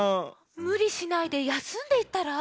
むりしないでやすんでいったら？